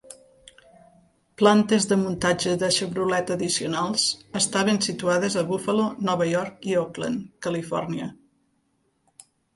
Plantes de muntatge de Chevrolet addicionals estaven situades a Buffalo, Nova York i Oakland, Califòrnia.